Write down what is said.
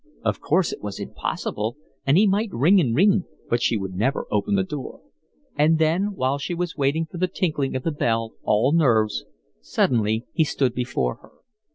Of course it was impossible, and he might ring and ring, but she would never open the door; and then while she was waiting for the tinkling of the bell, all nerves, suddenly he stood before her.